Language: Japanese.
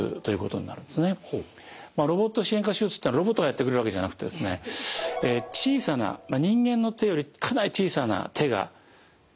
ロボット支援下手術というのはロボットがやってくれるわけじゃなくて小さな人間の手よりかなり小さな手が体腔内に入ります。